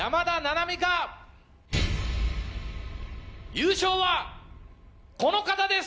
優勝はこの方です！